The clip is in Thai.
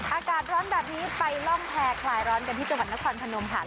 อากาศร้อนแบบนี้ไปล่องแพรคลายร้อนกันที่จังหวัดนครพนมค่ะ